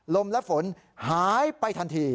ลมและฝนหายไปทันที